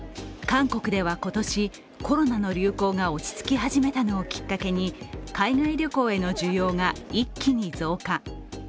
韓国では今年、コロナの流行が落ち着き始めたのをきっかけに海外旅行への需要が一気に増加。